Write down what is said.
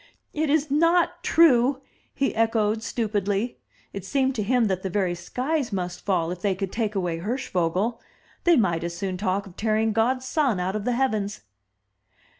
"It is not true!" he echoed, stupidly. It seemed to him that the very skies must fall, if they could take away Hirschvogel. They might as soon talk of tearing God's sun out of the heavens.